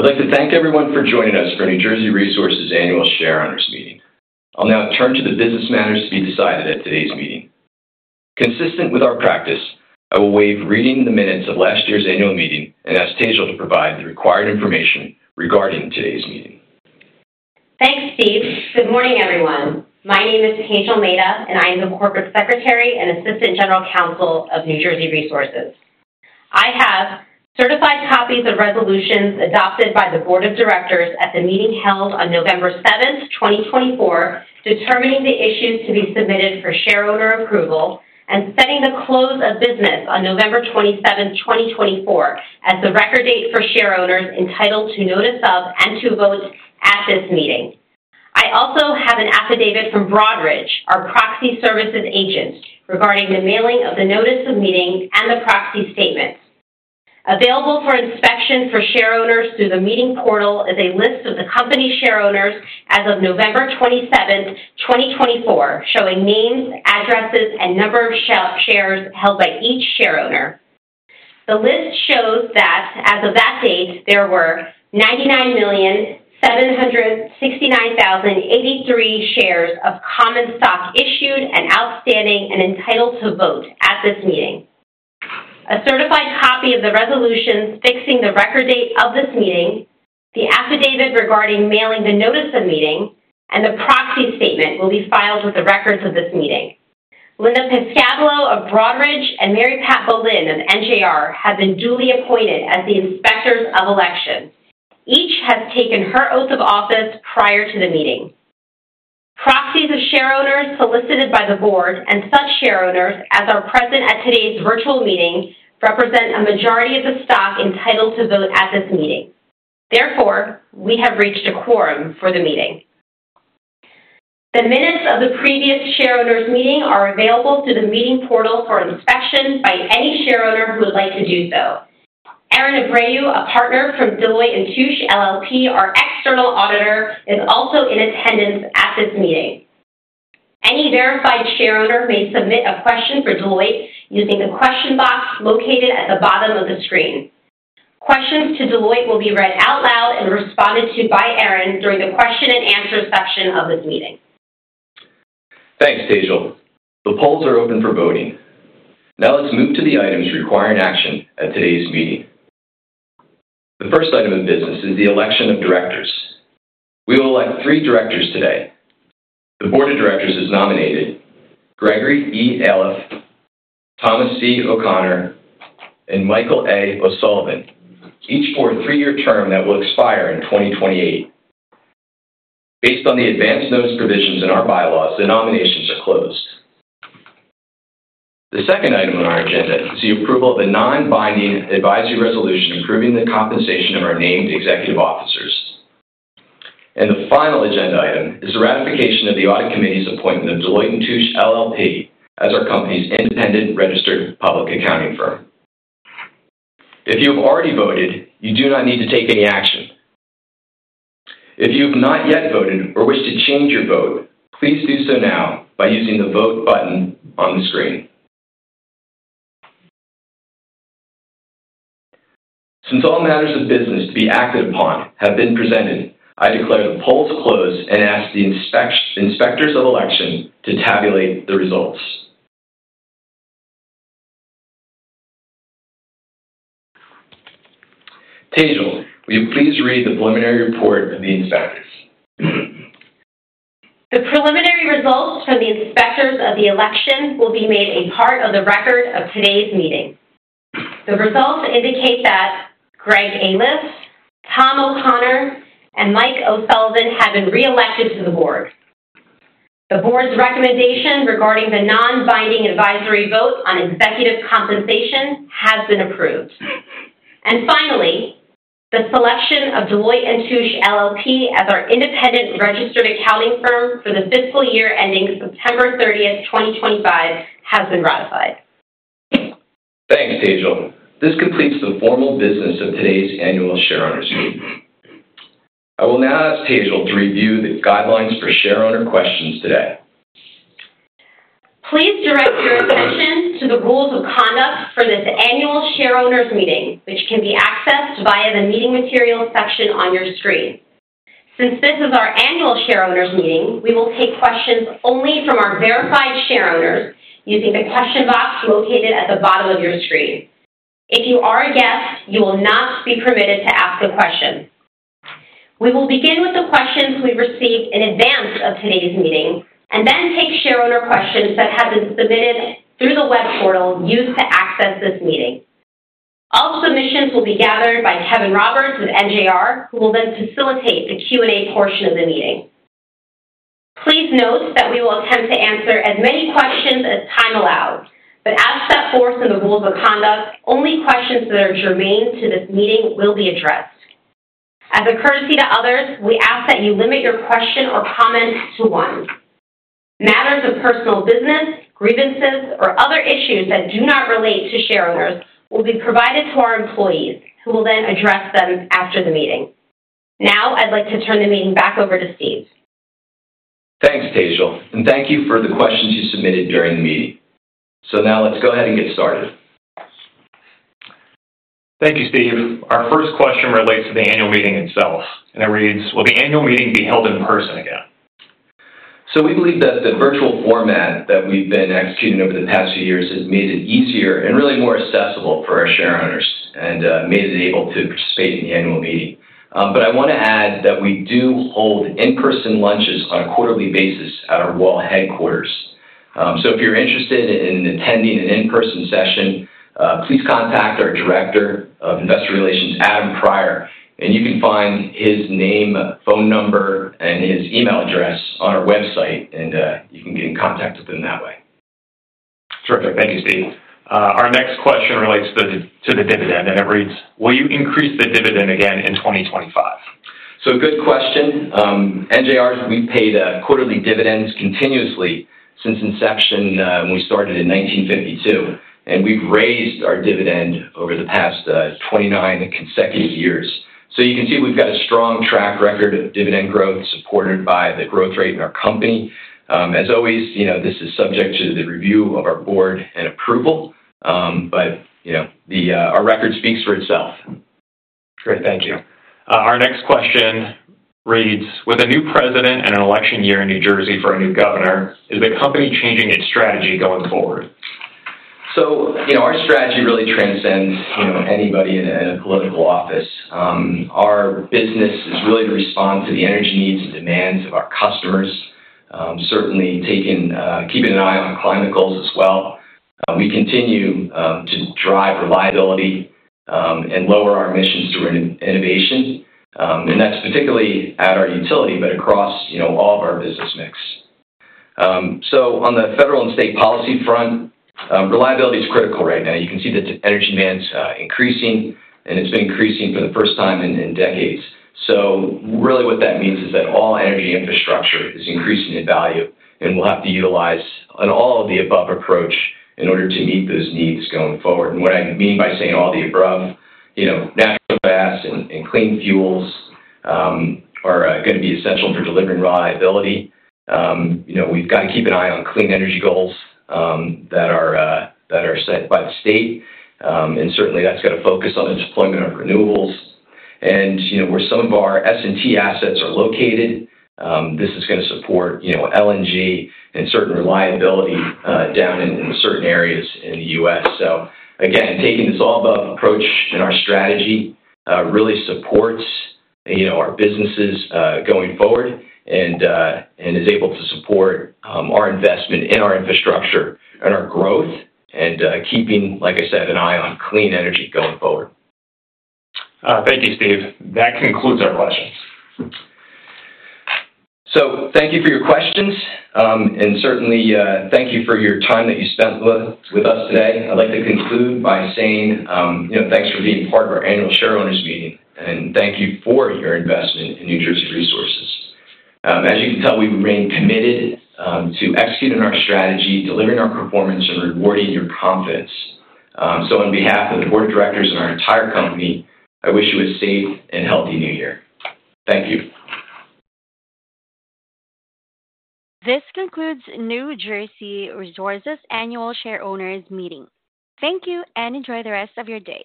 I'd like to thank everyone for joining us for New Jersey Resources' Annual Shareowners Meeting. I'll now turn to the business matters to be decided at today's meeting. Consistent with our practice, I will waive reading the minutes of last year's annual meeting and ask Tejal to provide the required information regarding today's meeting. Thanks, Steve. Good morning, everyone. My name is Tejal Mehta, and I am the Corporate Secretary and Assistant General Counsel of New Jersey Resources. I have certified copies of resolutions adopted by the Board of Directors at the meeting held on November 7th, 2024, determining the issues to be submitted for shareholder approval and setting the close of business on November 27th, 2024, as the record date for shareholders entitled to notice of and to vote at this meeting. I also have an affidavit from Broadridge, our proxy services agent, regarding the mailing of the notice of meeting and the proxy statements. Available for inspection for shareholders through the meeting portal is a list of the company shareholders as of November 27th, 2024, showing names, addresses, and number of shares held by each shareholder. The list shows that as of that date, there were 99,769,083 shares of common stock issued and outstanding and entitled to vote at this meeting. A certified copy of the resolutions fixing the record date of this meeting, the affidavit regarding mailing the notice of meeting, and the proxy statement will be filed with the records of this meeting. Linda Pescobello of Broadridge and Mary Pat Belin of NJR have been duly appointed as the inspectors of election. Each has taken her oath of office prior to the meeting. Proxies of shareholders solicited by the board and such shareholders as are present at today's virtual meeting represent a majority of the stock entitled to vote at this meeting. Therefore, we have reached a quorum for the meeting. The minutes of the previous shareholders' meeting are available through the meeting portal for inspection by any shareholder who would like to do so. Aaron Abreu, a partner from Deloitte & Touche LLP, our external auditor, is also in attendance at this meeting. Any verified shareholder may submit a question for Deloitte using the question box located at the bottom of the screen. Questions to Deloitte will be read out loud and responded to by Aaron during the question and answer section of this meeting. Thanks, Tejal. The polls are open for voting. Now let's move to the items requiring action at today's meeting. The first item of business is the election of directors. We will elect three directors today. The Board of Directors has nominated Gregory E. Aliff, Thomas C. O'Connor, and Michael A. O'Sullivan, each for a three-year term that will expire in 2028. Based on the advance notice provisions in our bylaws, the nominations are closed. The second item on our agenda is the approval of a non-binding advisory resolution approving the compensation of our named executive officers. And the final agenda item is the ratification of the audit committee's appointment of Deloitte & Touche LLP, as our company's independent registered public accounting firm. If you have already voted, you do not need to take any action. If you have not yet voted or wish to change your vote, please do so now by using the vote button on the screen. Since all matters of business to be acted upon have been presented, I declare the polls closed and ask the inspectors of election to tabulate the results. Tejal, will you please read the preliminary report of the inspectors? The preliminary results for the inspectors of the election will be made a part of the record of today's meeting. The results indicate that Greg Aliff, Tom O'Connor, and Mike O'Sullivan have been reelected to the board. The board's recommendation regarding the non-binding advisory vote on executive compensation has been approved. And finally, the selection of Deloitte & Touche, LLP, as our independent registered accounting firm for the fiscal year ending September 30th, 2025, has been ratified. Thanks, Tejal. This completes the formal business of today's annual shareowners meeting. I will now ask Tejal to review the guidelines for shareholder questions today. Please direct your attention to the rules of conduct for this annual shareowners meeting, which can be accessed via the meeting materials section on your screen. Since this is our annual shareowners meeting, we will take questions only from our verified shareowners using the question box located at the bottom of your screen. If you are a guest, you will not be permitted to ask a question. We will begin with the questions we received in advance of today's meeting and then take shareholder questions that have been submitted through the web portal used to access this meeting. All submissions will be gathered by Kevin Roberts with NJR, who will then facilitate the Q&A portion of the meeting. Please note that we will attempt to answer as many questions as time allows, but as set forth in the rules of conduct, only questions that are germane to this meeting will be addressed. As a courtesy to others, we ask that you limit your question or comment to one. Matters of personal business, grievances, or other issues that do not relate to shareowners will be provided to our employees, who will then address them after the meeting. Now, I'd like to turn the meeting back over to Steve. Thanks, Tejal, and thank you for the questions you submitted during the meeting. So now let's go ahead and get started. Thank you, Steve. Our first question relates to the annual meeting itself, and it reads, "Will the annual meeting be held in person again? We believe that the virtual format that we've been executing over the past few years has made it easier and really more accessible for our shareowners and made it able to participate in the annual meeting. But I want to add that we do hold in-person lunches on a quarterly basis at our Wall headquarters. If you're interested in attending an in-person session, please contact our director of investor relations, Adam Prior, and you can find his name, phone number, and his email address on our website, and you can get in contact with him that way. Terrific. Thank you, Steve. Our next question relates to the dividend, and it reads, will you increase the dividend again in 2025? So good question. NJR, we've paid quarterly dividends continuously since inception when we started in 1952, and we've raised our dividend over the past 29 consecutive years. So you can see we've got a strong track record of dividend growth supported by the growth rate in our company. As always, this is subject to the review of our board and approval, but our record speaks for itself. Great. Thank you. Our next question reads, with a new president and an election year in New Jersey for a new governor, is the company changing its strategy going forward? So our strategy really transcends anybody in a political office. Our business is really to respond to the energy needs and demands of our customers, certainly keeping an eye on climate goals as well. We continue to drive reliability and lower our emissions through innovation, and that's particularly at our utility, but across all of our business mix. So on the federal and state policy front, reliability is critical right now. You can see that energy demand's increasing, and it's been increasing for the first time in decades. So really what that means is that all energy infrastructure is increasing in value, and we'll have to utilize an all-of-the-above approach in order to meet those needs going forward. And what I mean by saying all the above, natural gas and clean fuels are going to be essential for delivering reliability. We've got to keep an eye on clean energy goals that are set by the state, and certainly that's got to focus on the deployment of renewables, and where some of our S&T assets are located, this is going to support LNG and certain reliability down in certain areas in the U.S., so again, taking this all-above approach in our strategy really supports our businesses going forward and is able to support our investment in our infrastructure and our growth and keeping, like I said, an eye on clean energy going forward. Thank you, Steve. That concludes our questions. So thank you for your questions, and certainly thank you for your time that you spent with us today. I'd like to conclude by saying thanks for being part of our annual shareowners meeting, and thank you for your investment in New Jersey Resources. As you can tell, we remain committed to executing our strategy, delivering our performance, and rewarding your confidence. So on behalf of the Board of Directors and our entire company, I wish you a safe and healthy New Year. Thank you. This concludes New Jersey Resources' annual shareowners meeting. Thank you and enjoy the rest of your day.